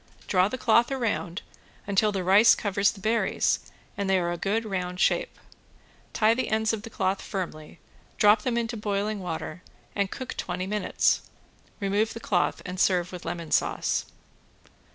Draw the cloth around until the rice covers the berries and they are a good round shape. Tie the ends of the cloth firmly, drop them into boiling water and cook twenty minutes. Remove the cloth and serve with lemon sauce.